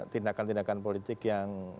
tindakan tindakan politik yang